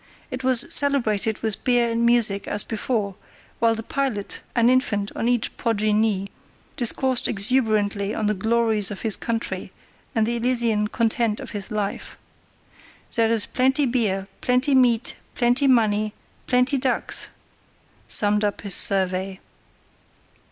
It was celebrated with beer and music as before, while the pilot, an infant on each podgy knee, discoursed exuberantly on the glories of his country and the Elysian content of his life. "There is plenty beer, plenty meat, plenty money, plenty ducks," summed up his survey.